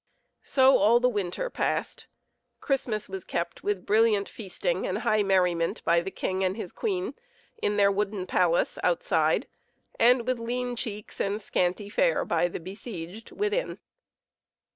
So all the winter passed, Christmas was kept with brilliant feasting and high merriment by the king and his queen in their wooden palace outside, and with lean cheeks and scanty fare by the besieged within.